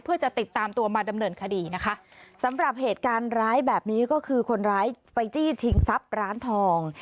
เพื่อจะติดตามตัวมาดำเนินคดีนะคะสำหรับเหตุการณ์ร้ายแบบนี้ก็คือคนร้ายไปจี้ชิงทรัพย์ร้านทอง